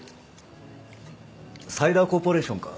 サイダコーポレーションか。